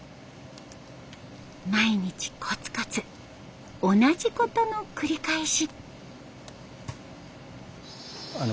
毎日コツコツ同じことの繰り返し。